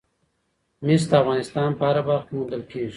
مس د افغانستان په هره برخه کې موندل کېږي.